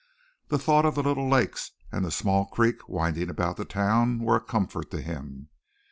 The thought of the little lakes and the small creek winding about the town were a comfort to him.